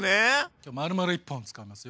今日まるまる１本使いますよ！